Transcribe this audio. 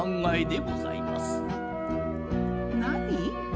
「何！